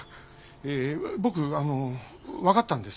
ええ僕あの分かったんです。